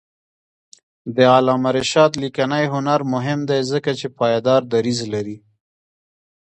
د علامه رشاد لیکنی هنر مهم دی ځکه چې پایدار دریځ لري.